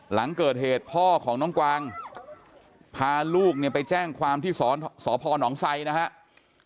หลังเกิดเหตุพ่อของน้องกวางพาลูกไปแจ้งความที่สอพ่อนหนองไสยนะครับ